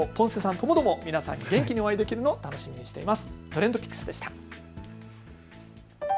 ともども元気にお会いできるのを楽しみにしています。